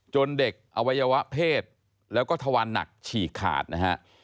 เด็กอวัยวะเพศแล้วก็ทวันหนักฉีกขาดนะฮะ